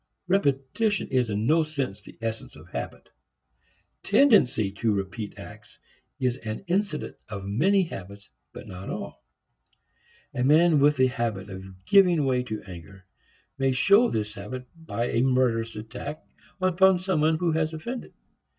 Repetition is in no sense the essence of habit. Tendency to repeat acts is an incident of many habits but not of all. A man with the habit of giving way to anger may show his habit by a murderous attack upon some one who has offended.